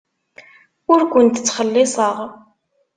Ur kent-ttxelliṣeɣ.